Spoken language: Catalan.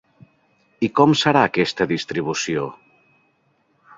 I com serà aquesta distribució?